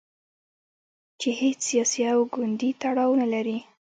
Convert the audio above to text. چې هیڅ سیاسي او ګوندي تړاو نه لري.